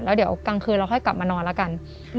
แล้วเดี๋ยวกลางคืนเราค่อยกลับมานอนแล้วกัน